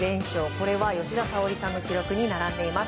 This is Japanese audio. これは吉田沙保里さんの記録に並んでいます。